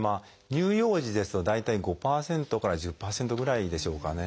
乳幼児ですと大体５％から１０％ぐらいでしょうかね。